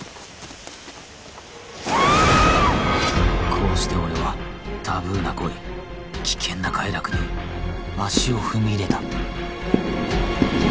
こうして俺はタブーな恋危険な快楽に足を踏み入れた